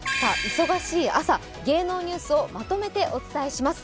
忙しい朝、芸能ニュースをまとめてお伝えします。